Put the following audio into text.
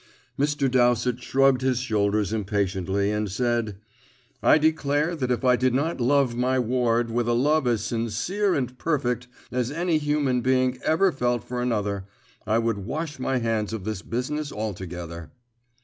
Mr. Dowsett shrugged his shoulders impatiently, and said, "I declare that if I did not love my ward with a love as sincere and perfect as any human being ever felt for another, I would wash my hands of this business altogether."